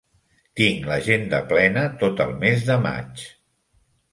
Tinc l'agenda plena tot el mes de maig.